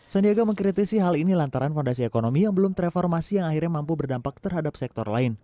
sandiaga mengkritisi hal ini lantaran fondasi ekonomi yang belum terreformasi yang akhirnya mampu berdampak terhadap sektor lain